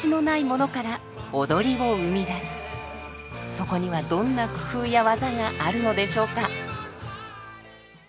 そこにはどんな工夫や技があるのでしょうか。